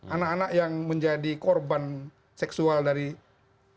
anak anak yang menjadi korban seksual dari orang dewasa yang sejahat